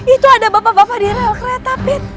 itu ada bapak bapak di rel kereta pin